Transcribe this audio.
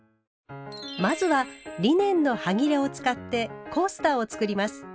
まずはリネンのはぎれを使って「コースター」を作ります。